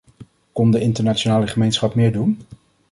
Kon de internationale gemeenschap meer doen?